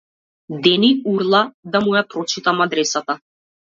Дени урла да му ја прочитам адресата.